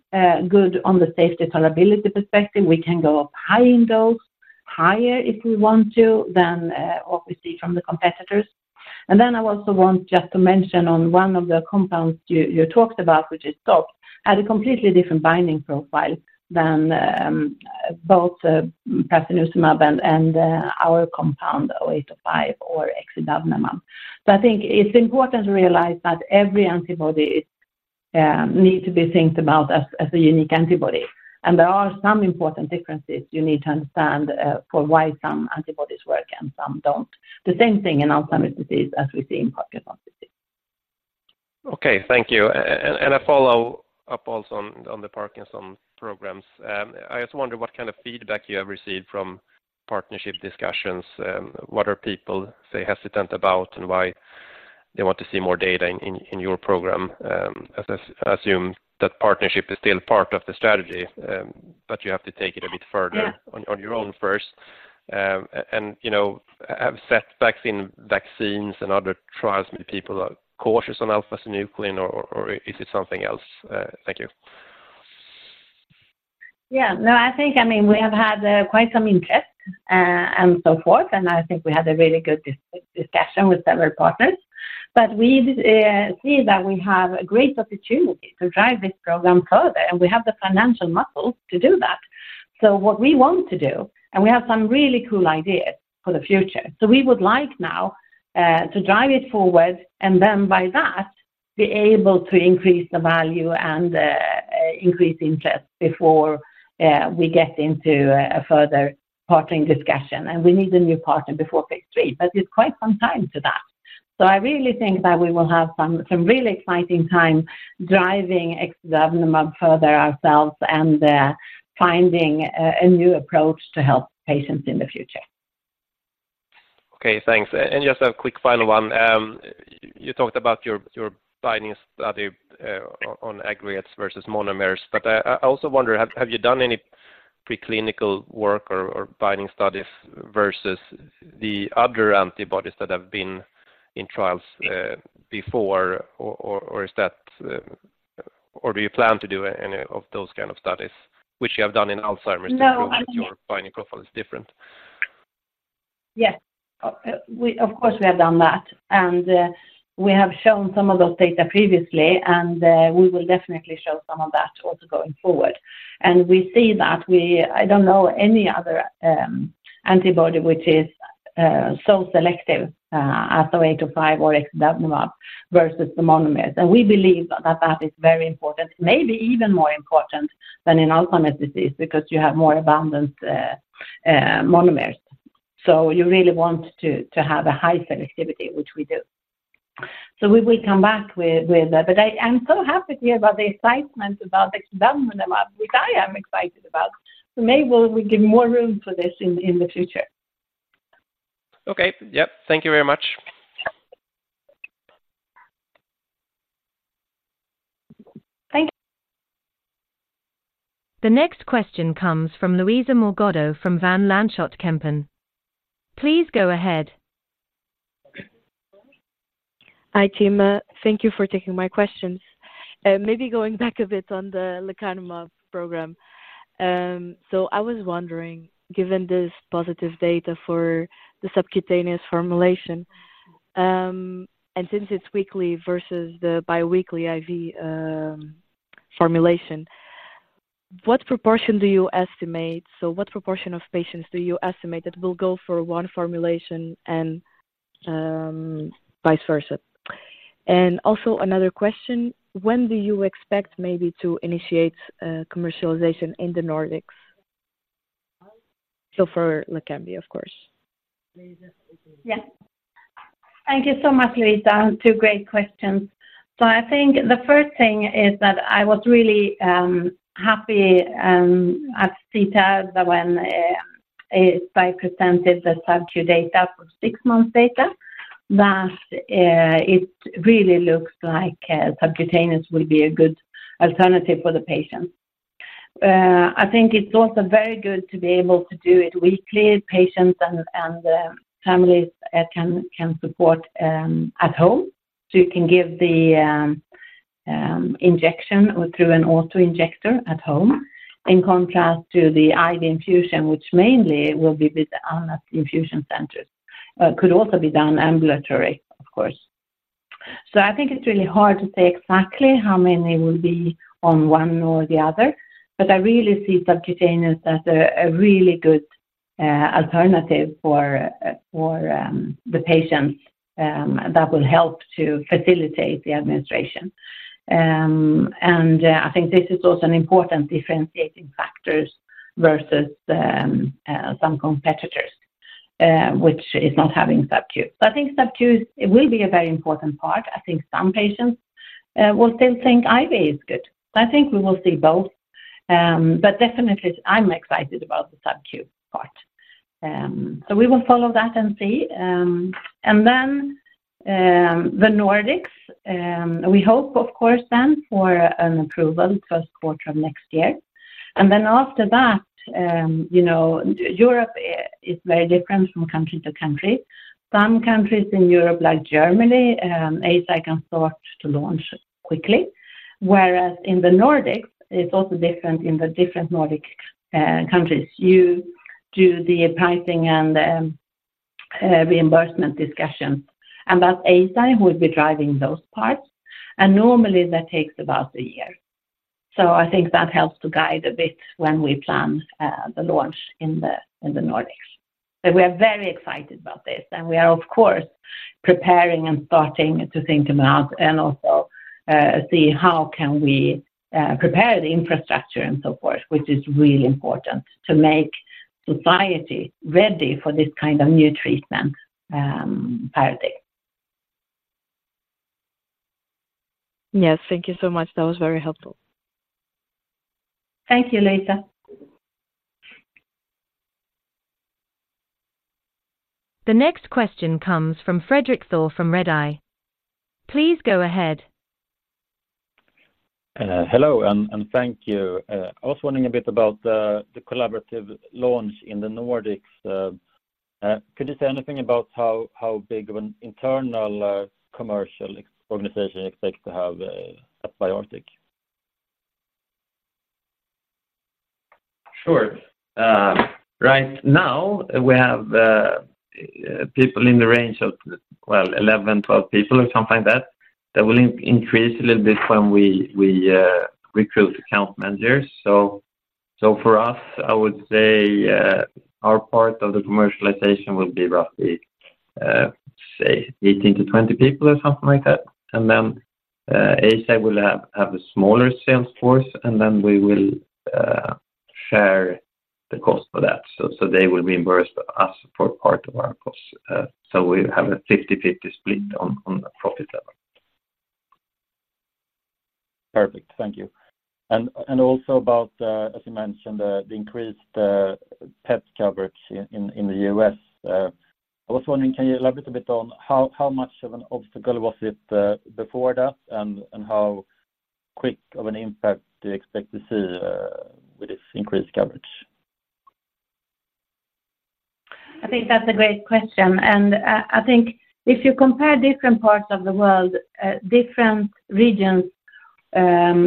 good on the safety tolerability perspective. We can go up high in dose, higher if we want to, than obviously from the competitors. And then I also want just to mention on one of the compounds you talked about, which is stopped, had a completely different binding profile than both prasinezumab and our compound, 0805 or exidavnemab. So I think it's important to realize that every antibody need to be thought about as, as a unique antibody, and there are some important differences you need to understand for why some antibodies work and some don't. The same thing in Alzheimer's disease as we see in Parkinson's disease. Okay, thank you. And a follow-up also on the Parkinson programs. I just wonder what kind of feedback you have received from partnership discussions. What are people, say, hesitant about and why they want to see more data in your program? As I assume that partnership is still part of the strategy, but you have to take it a bit further- Yeah... on your own first. And, you know, have setbacks in vaccines and other trials, many people are cautious on alpha-synuclein, or is it something else? Thank you. Yeah, no, I think, I mean, we have had quite some interest and so forth, and I think we had a really good discussion with several partners. But we see that we have a great opportunity to drive this program further, and we have the financial muscle to do that. So what we want to do, and we have some really cool ideas for the future. So we would like now to drive it forward and then by that, be able to increase the value and increase interest before we get into a further partnering discussion, and we need a new partner before phase three, but it's quite some time to that. So I really think that we will have some really exciting time driving exidavnemab further ourselves and finding a new approach to help patients in the future.... Okay, thanks. And just a quick final one. You talked about your, your binding study on aggregates versus monomers, but I also wonder, have you done any preclinical work or binding studies versus the other antibodies that have been in trials before? Or is that or do you plan to do any of those kind of studies, which you have done in Alzheimer's- No, I- To prove that your binding profile is different? Yes. We of course, we have done that, and we have shown some of those data previously, and we will definitely show some of that also going forward. And we see that we... I don't know any other antibody which is so selective, BAN0805 or exidavnemab versus the monomers. And we believe that that is very important, maybe even more important than in Alzheimer's disease, because you have more abundant monomers. So you really want to have a high selectivity, which we do. So we will come back with that. But I, I'm so happy to hear about the excitement about exidavnemab, which I am excited about. So maybe we give more room for this in the future. Okay. Yep. Thank you very much. Thank you. The next question comes from Luísa Morgado from Van Lanschot Kempen. Please go ahead. Hi, team. Thank you for taking my questions. Maybe going back a bit on the lecanemab program. So I was wondering, given this positive data for the subcutaneous formulation, and since it's weekly versus the bi-weekly IV formulation, what proportion of patients do you estimate that will go for one formulation and, vice versa? And also another question, when do you expect maybe to initiate commercialization in the Nordics? So for Leqembi, of course. Yes. Thank you so much, Luisa. Two great questions. So I think the first thing is that I was really happy at CTAD when it presented the subcu data for 6 months data, that it really looks like subcutaneous will be a good alternative for the patient. I think it's also very good to be able to do it weekly, patients and families can support at home. So you can give the injection or through an auto-injector at home, in contrast to the IV infusion, which mainly will be with infusion centers, could also be done ambulatory, of course. So I think it's really hard to say exactly how many will be on one or the other, but I really see subcutaneous as a really good alternative for the patients that will help to facilitate the administration. And I think this is also an important differentiating factors versus some competitors which is not having subcu. So I think subcu it will be a very important part. I think some patients will still think IV is good. So I think we will see both, but definitely I'm excited about the subcu part. So we will follow that and see. And then the Nordics, we hope, of course, then for an approval first quarter of next year, and then after that, you know, Europe is very different from country to country. Some countries in Europe, like Germany, Eisai can start to launch quickly, whereas in the Nordics, it's also different in the different Nordic countries. You do the pricing and reimbursement discussions, and that Eisai will be driving those parts, and normally that takes about a year. So I think that helps to guide a bit when we plan the launch in the Nordics. But we are very excited about this, and we are, of course, preparing and starting to think about and also see how can we prepare the infrastructure and so forth, which is really important to make society ready for this kind of new treatment paradigm. Yes. Thank you so much. That was very helpful. Thank you, Luisa. The next question comes from Fredrik Thor from Redeye. Please go ahead. Hello, and thank you. I was wondering a bit about the collaborative launch in the Nordics. Could you say anything about how big of an internal commercial organization you expect to have at BioArctic? Sure. Right now, we have people in the range of, well, 11, 12 people or something like that. That will increase a little bit when we recruit account managers. So for us, I would say our part of the commercialization will be roughly, say 18 to 20 people or something like that. And then Eisai will have a smaller sales force, and then we will share the cost for that. So they will reimburse us for part of our cost. So we have a 50/50 split on the profit level.... Perfect. Thank you. And also about, as you mentioned, the increased PET coverage in the U.S. I was wondering, can you elaborate a bit on how much of an obstacle was it before that, and how quick of an impact do you expect to see with this increased coverage? I think that's a great question. And, I think if you compare different parts of the world, different regions,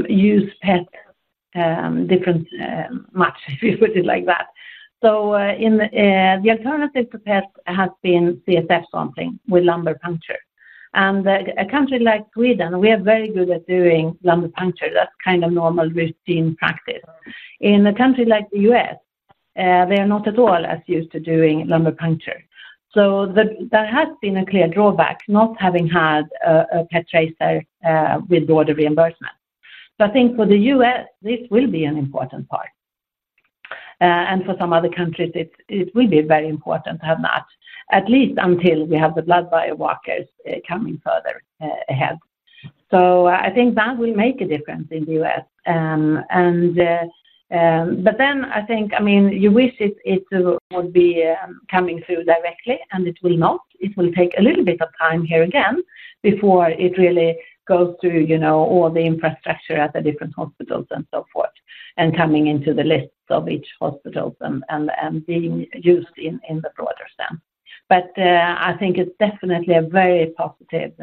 use PET, different, much, if you put it like that. So, the alternative to PET has been CSF something with lumbar puncture. And a country like Sweden, we are very good at doing lumbar puncture. That's kind of normal routine practice. In a country like the U.S., they are not at all as used to doing lumbar puncture. So that has been a clear drawback, not having had a PET tracer with broader reimbursement. So I think for the U.S., this will be an important part. And for some other countries, it will be very important to have that, at least until we have the blood biomarkers coming further ahead. So I think that will make a difference in the U.S. But then I think, I mean, you wish it, it would be coming through directly, and it will not. It will take a little bit of time here again before it really goes through, you know, all the infrastructure at the different hospitals and so forth, and coming into the lists of each hospitals and being used in the broader sense. But I think it's definitely a very positive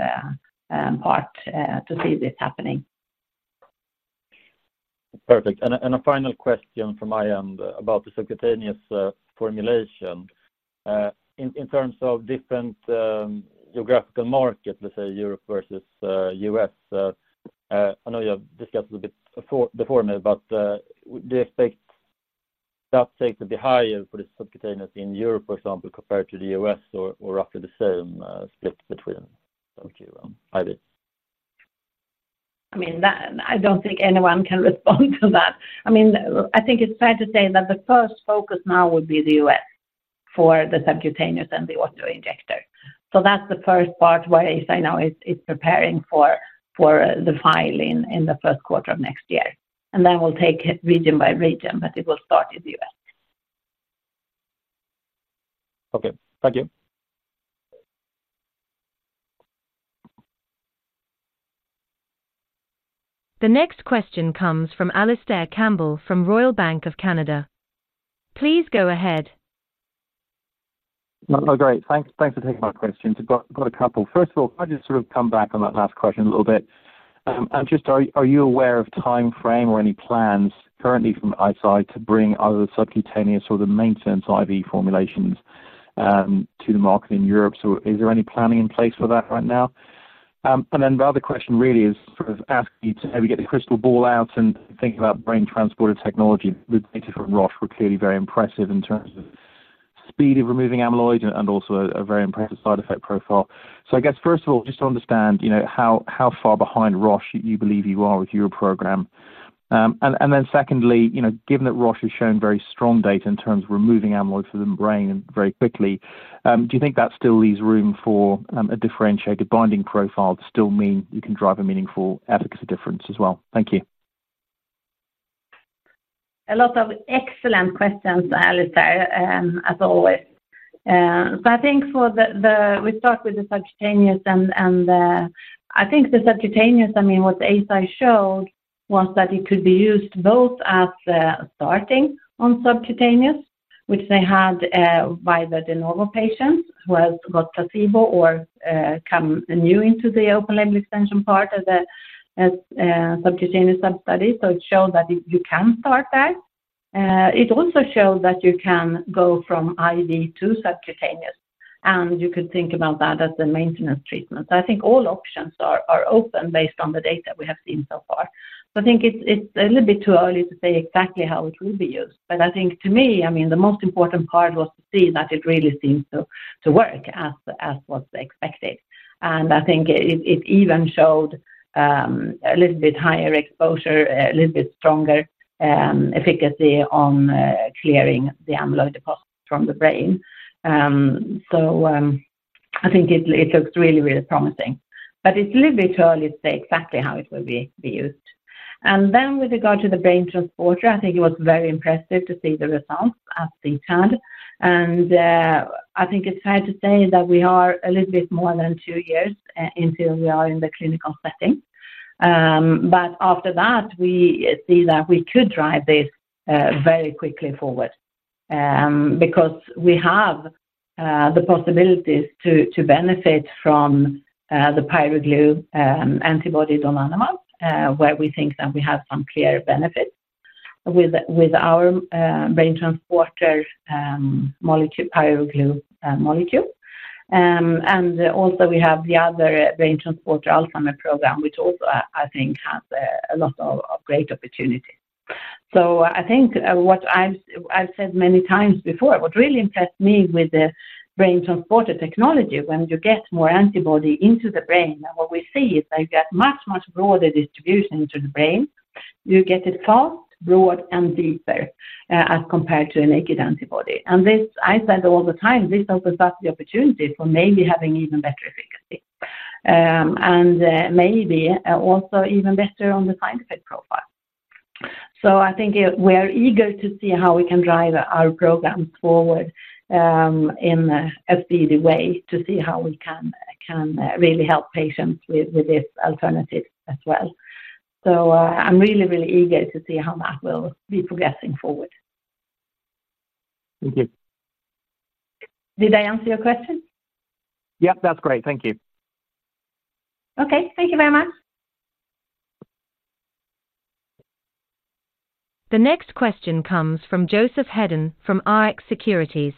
part to see this happening. Perfect. And a final question from my end about the subcutaneous formulation. In terms of different geographical markets, let's say Europe versus US. I know you have discussed a bit before me, but do you expect that take to be higher for the subcutaneous in Europe, for example, compared to the US or roughly the same split between them? Thank you. Heidi. I mean, I don't think anyone can respond to that. I mean, I think it's fair to say that the first focus now would be the U.S. for the subcutaneous and the auto-injector. So that's the first part where I say now it's preparing for the filing in the first quarter of next year. And then we'll take it region by region, but it will start in the U.S. Okay. Thank you. The next question comes from Alistair Campbell, from Royal Bank of Canada. Please go ahead. Oh, great. Thanks, thanks for taking my questions. I've got a couple. First of all, can I just sort of come back on that last question a little bit? And just are you aware of timeframe or any plans currently from Eisai to bring either the subcutaneous or the maintenance IV formulations to the market in Europe? So is there any planning in place for that right now? And then the other question really is sort of ask you to maybe get the crystal ball out and think about Brain Transporter technology with Denali, Roche were clearly very impressive in terms of speed of removing amyloid and also a very impressive side effect profile. So I guess, first of all, just to understand, you know, how far behind Roche you believe you are with your program. And then secondly, you know, given that Roche has shown very strong data in terms of removing amyloid from the brain and very quickly, do you think that still leaves room for a differentiated binding profile to still mean you can drive a meaningful efficacy difference as well? Thank you. A lot of excellent questions, Alistair, as always. So I think for the, the, we start with the subcutaneous and, and the... I think the subcutaneous, I mean, what Eisai showed was that it could be used both as the starting on subcutaneous, which they had, by the de novo patients who has got placebo or, come new into the open-label extension part of the, subcutaneous sub-study. So it showed that you can start that. It also showed that you can go from IV to subcutaneous, and you could think about that as the maintenance treatment. I think all options are, are open based on the data we have seen so far. So I think it's, it's a little bit too early to say exactly how it will be used. But I think to me, I mean, the most important part was to see that it really seems to work as was expected. And I think it even showed a little bit higher exposure, a little bit stronger efficacy on clearing the amyloid deposit from the brain. So, I think it looks really, really promising, but it's a little bit early to say exactly how it will be used. And then with regard to the Brain Transporter, I think it was very impressive to see the results as being had. And I think it's fair to say that we are a little bit more than 2 years until we are in the clinical setting. But after that, we see that we could drive this very quickly forward, because we have the possibilities to benefit from the pyroGlu antibody donanemab, where we think that we have some clear benefits with our Brain Transporter molecule, pyroGlu molecule. And also we have the other Brain Transporter Alzheimer program, which also I think has a lot of great opportunity. So I think what I've said many times before, what really impressed me with the Brain Transporter technology, when you get more antibody into the brain, and what we see is they get much broader distribution into the brain... you get it fast, broad, and deeper as compared to a naked antibody. And this, I said all the time, this opens up the opportunity for maybe having even better efficacy, and maybe also even better on the side effect profile. So I think it. We're eager to see how we can drive our program forward, in a speedy way to see how we can really help patients with this alternative as well. So, I'm really, really eager to see how that will be progressing forward. Thank you. Did I answer your question? Yep, that's great. Thank you. Okay. Thank you very much. The next question comes from Joseph Hedden from Rx Securities.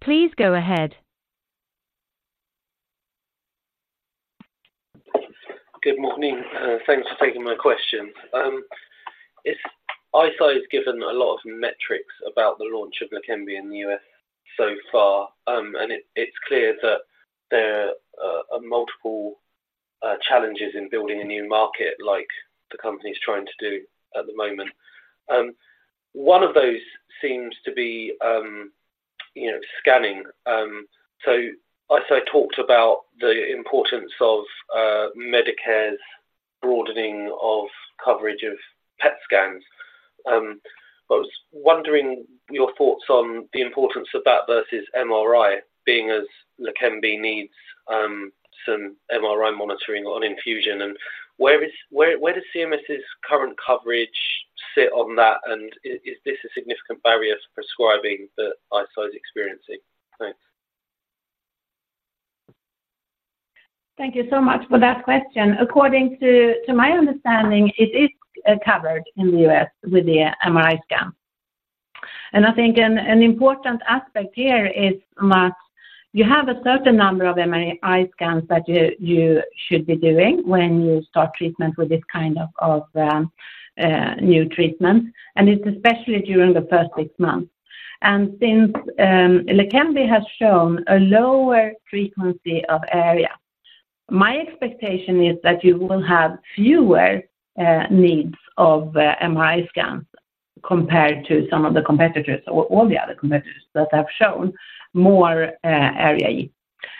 Please go ahead. Good morning, thanks for taking my question. Eisai has given a lot of metrics about the launch of Leqembi in the U.S. so far, and it's clear that there are multiple challenges in building a new market like the company's trying to do at the moment. One of those seems to be, you know, scanning. So Eisai talked about the importance of Medicare's broadening of coverage of PET scans. I was wondering your thoughts on the importance of that versus MRI, being as Leqembi needs some MRI monitoring on infusion and where does CMS's current coverage sit on that, and is this a significant barrier to prescribing that Eisai is experiencing? Thanks. Thank you so much for that question. According to my understanding, it is covered in the U.S. with the MRI scan. And I think an important aspect here is that you have a certain number of MRI scans that you should be doing when you start treatment with this kind of new treatment, and it's especially during the first six months. And since Leqembi has shown a lower frequency of ARIA, my expectation is that you will have fewer needs of MRI scans compared to some of the competitors or all the other competitors that have shown more ARIA.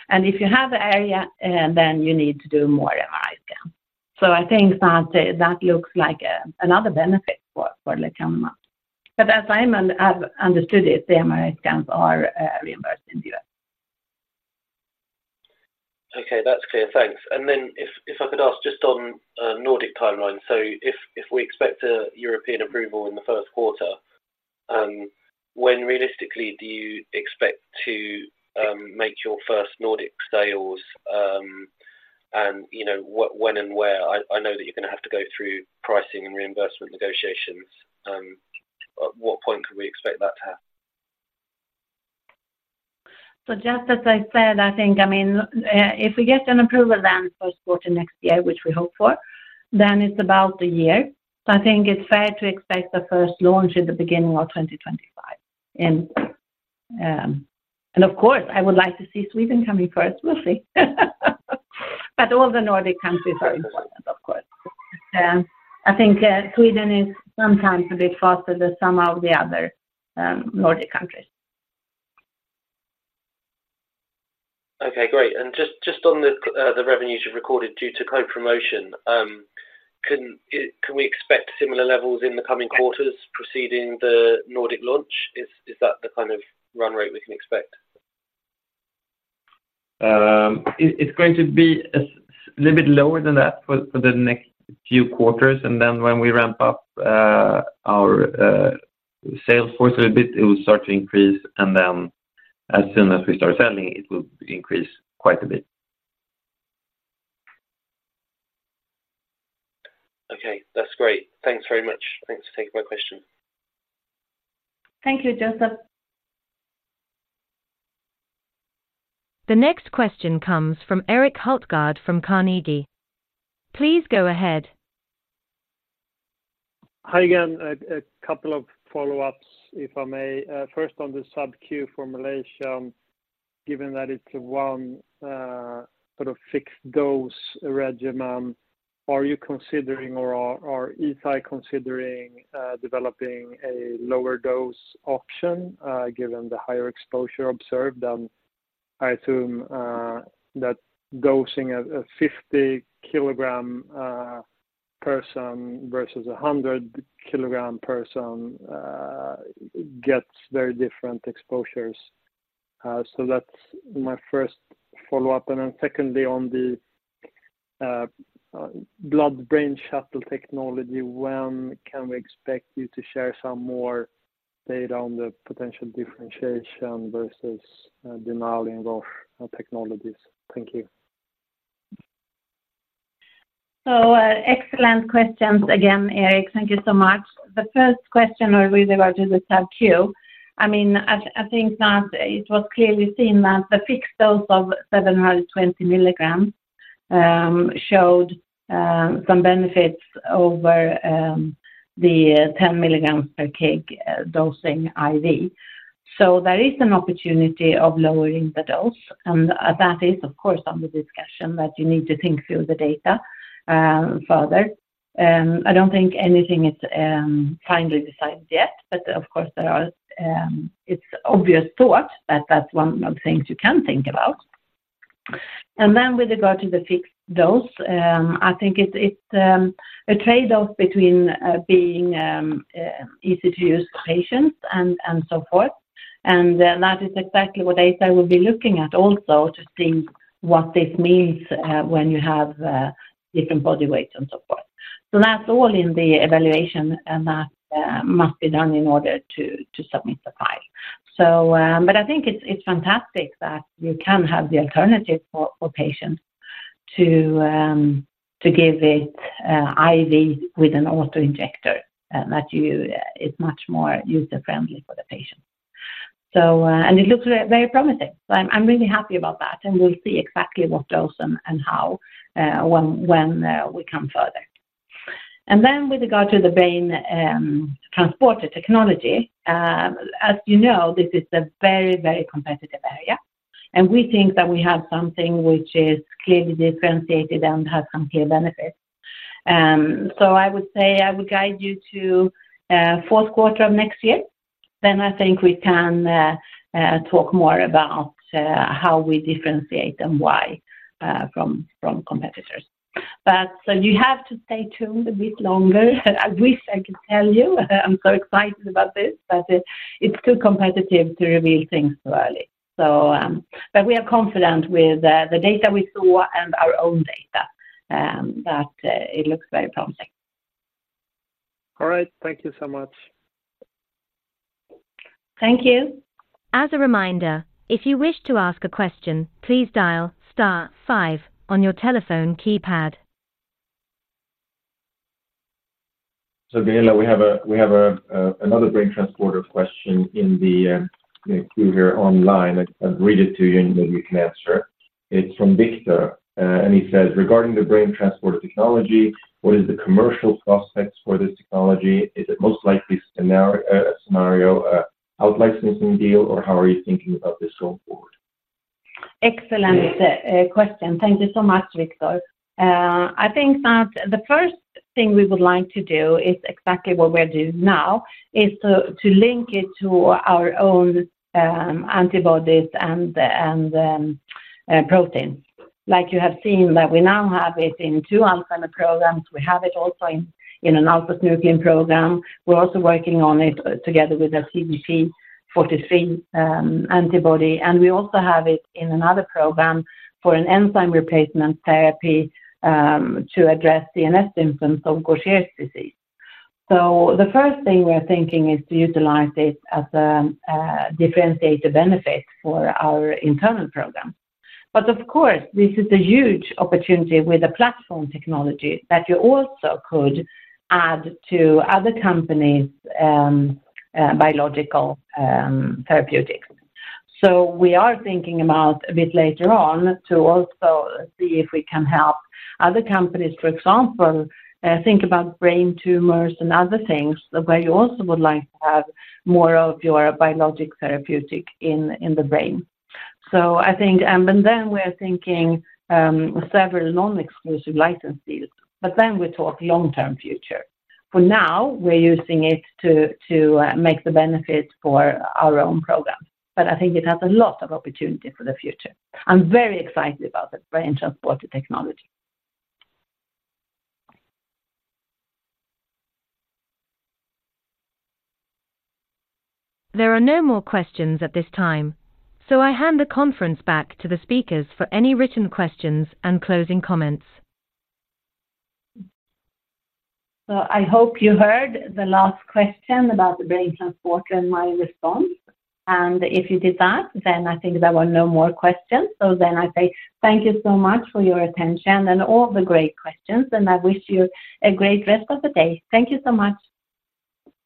And if you have an ARIA, then you need to do more MRI scans. So I think that looks like another benefit for Leqembi. But as I understood it, the MRI scans are reimbursed in the US. Okay, that's clear. Thanks. And then if I could ask just on Nordic timeline. So if we expect a European approval in the first quarter, when realistically do you expect to make your first Nordic sales, and you know, what, when and where? I know that you're going to have to go through pricing and reimbursement negotiations, but what point could we expect that to happen? So just as I said, I think, I mean, if we get an approval then first quarter next year, which we hope for, then it's about a year. So I think it's fair to expect the first launch in the beginning of 2025. And, and of course, I would like to see Sweden coming first. We'll see. But all the Nordic countries are important, of course. I think, Sweden is sometimes a bit faster than some of the other, Nordic countries. Okay, great. And just on the revenues you've recorded due to co-promotion, can we expect similar levels in the coming quarters preceding the Nordic launch? Is that the kind of run rate we can expect? It's going to be a little bit lower than that for the next few quarters, and then when we ramp up our sales force a little bit, it will start to increase, and then as soon as we start selling, it will increase quite a bit. Okay, that's great. Thanks very much. Thanks for taking my question. Thank you, Joseph. The next question comes from Erik Hultgård from Carnegie. Please go ahead. Hi, again. A couple of follow-ups, if I may. First on the subQ formulation, given that it's a one, sort of fixed-dose regimen, are you considering or is Eisai considering developing a lower dose option, given the higher exposure observed? I assume that dosing a 50-kilogram person versus a 100-kilogram person gets very different exposures. So that's my first follow-up. And then secondly, on the blood-brain shuttle technology, when can we expect you to share some more data on the potential differentiation versus Denali and Roche technologies? Thank you. So excellent questions again, Erik. Thank you so much. The first question was really about the subQ. I mean, I think that it was clearly seen that the fixed dose of 720 milligrams showed some benefits over the 10 milligrams per kg dosing IV. So there is an opportunity of lowering the dose, and that is, of course, under discussion, but you need to think through the data further. I don't think anything is finally decided yet, but of course, there are, it's obvious thought that that's one of the things you can think about. And then with regard to the fixed dose, I think it's a trade-off between being easy to use for patients and so forth. Then that is exactly what data we'll be looking at also to think what this means, when you have different body weights and so forth. So that's all in the evaluation, and that must be done in order to submit the file. So, but I think it's fantastic that you can have the alternative for patients to give it IV with an auto-injector, that you is much more user-friendly for the patient. So, and it looks very, very promising. So I'm really happy about that, and we'll see exactly what dose and how, when we come further. And then with regard to the Brain Transporter technology, as you know, this is a very, very competitive area, and we think that we have something which is clearly differentiated and has some clear benefits. So I would say I would guide you to fourth quarter of next year. Then I think we can talk more about how we differentiate and why from competitors. But so you have to stay tuned a bit longer. I wish I could tell you. I'm so excited about this, but it, it's too competitive to reveal things so early. So but we are confident with the data we saw and our own data that it looks very promising. All right. Thank you so much. Thank you. As a reminder, if you wish to ask a question, please dial star five on your telephone keypad. So Gunilla, we have another Brain Transporter question here online. I'll read it to you, and then you can answer. It's from Victor, and he says, "Regarding the Brain Transporter technology, what is the commercial prospects for this technology? Is it most likely scenario out-licensing deal, or how are you thinking about this going forward? Excellent question. Thank you so much, Victor. I think that the first thing we would like to do is exactly what we're doing now, is to link it to our own antibodies and the proteins. Like you have seen, that we now have it in two enzyme programs. We have it also in an alpha-synuclein program. We're also working on it together with a TDP-43 antibody, and we also have it in another program for an enzyme replacement therapy to address the CNS symptoms of Gaucher's disease. So the first thing we are thinking is to utilize this as a differentiator benefit for our internal program. But of course, this is a huge opportunity with a platform technology that you also could add to other companies' biological therapeutics. So we are thinking about a bit later on to also see if we can help other companies, for example, think about brain tumors and other things, where you also would like to have more of your biologic therapeutic in the brain. So I think, and then we are thinking several non-exclusive license deals, but then we talk long-term future. For now, we're using it to make the benefit for our own program. But I think it has a lot of opportunity for the future. I'm very excited about the Brain Transporter technology. There are no more questions at this time, so I hand the conference back to the speakers for any written questions and closing comments. So, I hope you heard the last question about the Brain Transporter and my response. And if you did that, then I think there were no more questions. So then I say thank you so much for your attention and all the great questions, and I wish you a great rest of the day. Thank you so much.